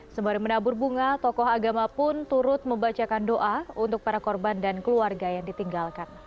sembari menabur bunga tokoh agama pun turut membacakan doa untuk para korban dan keluarga yang ditinggalkan